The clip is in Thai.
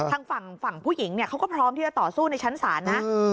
ทางฝั่งผู้หญิงเขาก็พร้อมที่จะต่อสู้ในชั้นศาลนะ